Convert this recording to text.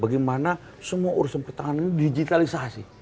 di mana semua urusan pertahanan digitalisasi